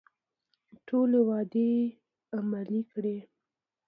ټولې وعدې عملي کړي.